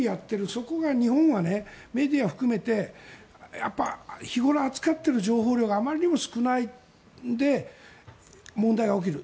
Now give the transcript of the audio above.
そこが日本はメディアを含めて日ごろ扱っている情報量があまりにも少ないので問題が起きる。